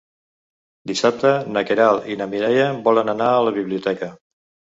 Dissabte na Queralt i na Mireia volen anar a la biblioteca.